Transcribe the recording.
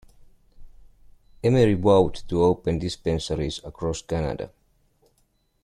Emery vowed to open dispensaries across Canada.